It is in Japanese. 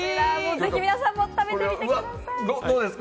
ぜひみなさんも食べてみてください。